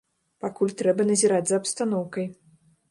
Пакуль трэба назіраць за абстаноўкай.